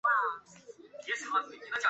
市内大多数地区都是乡村风光。